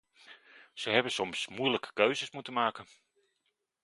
Zij hebben soms moeilijke keuzes moeten maken.